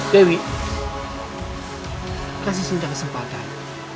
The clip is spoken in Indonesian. dewi kasih sinta kesempatan